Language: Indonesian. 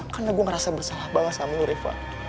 karena gue ngerasa bersalah banget sama lo ref